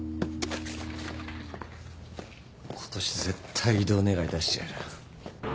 ことし絶対異動願出してやる。